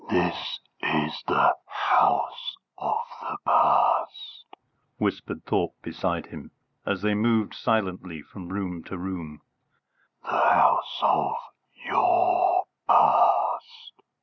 "This is the House of the Past," whispered Thorpe beside him, as they moved silently from room to room; "the house of your past.